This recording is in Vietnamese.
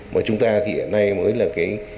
mà chúng ta thì hiện nay mới là cái